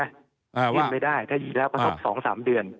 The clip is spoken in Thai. ยื่นไม่ได้ถ้ายิงแล้วก็ครบ๒๓เดือน